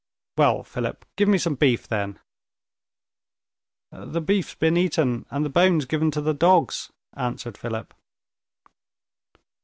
"Well, Philip, give me some beef, then." "The beef's been eaten, and the bones given to the dogs," answered Philip.